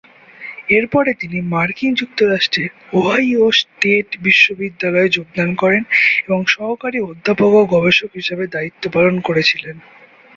এরপরে তিনি মার্কিন যুক্তরাষ্ট্রের ওহাইও স্টেট বিশ্ববিদ্যালয়ে যোগদান করেন এবং সহকারী অধ্যাপক ও গবেষক হিসাবে দায়িত্ব পালন করেছিলেন।